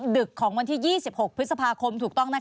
ดึกของวันที่๒๖พฤษภาคมถูกต้องนะคะ